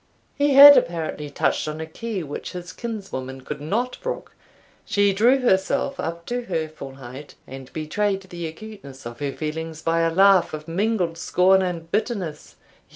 He had apparently touched on a key which his kinswoman could not brook. She drew herself up to her full height, and betrayed the acuteness of her feelings by a laugh of mingled scorn and bitterness.